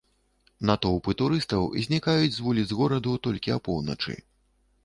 Натоўпы турыстаў знікаюць з вуліц гораду толькі апоўначы.